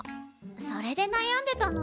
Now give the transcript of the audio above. それでなやんでたの。